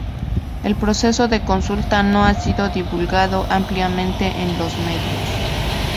El proceso de consulta no ha sido divulgado ampliamente en los medios.